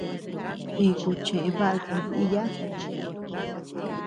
Iku cheʼë baku diiya.